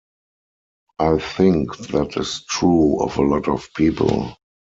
I think that is true of a lot of people.